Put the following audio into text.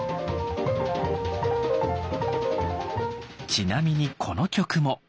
ちなみにこの曲も。